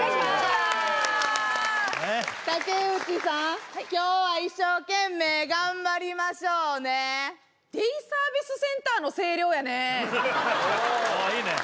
やった竹内さんはい今日は一生懸命頑張りましょうねデイサービスセンターの声量やねあっいいね